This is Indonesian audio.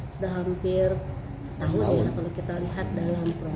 sudah hampir setahun kalau kita lihat dalam proses cerita